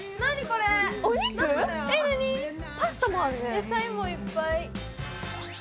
野菜もいっぱい！